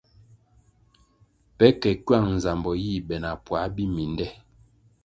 Pe ke kywang nzambo yih be na puãh biminde.